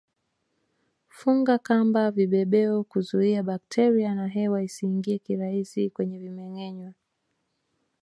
Funga kamba vibebeo kuzuia bakteria na hewa isiingie kirahisi kwenye vimengenywa